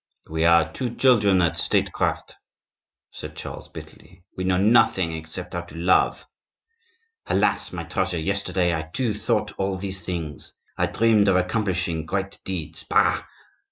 "We are two children at statecraft," said Charles, bitterly; "we know nothing except how to love. Alas! my treasure, yesterday I, too, thought all these things; I dreamed of accomplishing great deeds—bah!